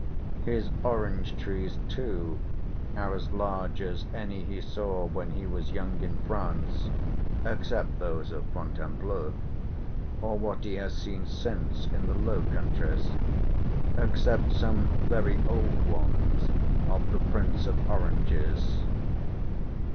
His orange trees too, are as large as any he saw when he was young in France, except those of Fontainebleau, or what he has seen since in the Low Countries; except some very old ones of the Prince of Orange's.